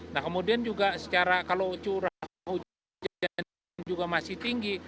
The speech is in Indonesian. nah kemudian juga secara kalau curah hujan juga masih tinggi